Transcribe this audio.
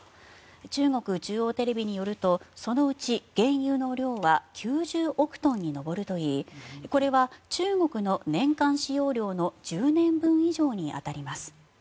中国中央テレビによるとそのうち、原油の量は９０億トンに上るといいこれは中国の年間使用量の１０年分以上に当たります。